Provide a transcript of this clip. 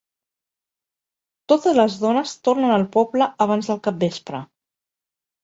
Totes les dones tornen al poble abans del capvespre.